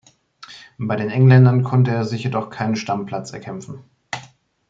Bei den Engländern konnte er sich jedoch keinen Stammplatz erkämpfen.